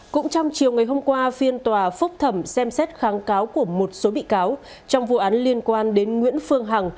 cũng trong chiều ngày hôm qua phiên tòa phúc thẩm xem xét kháng cáo của một số bị cáo trong vụ án liên quan đến nguyễn phương hằng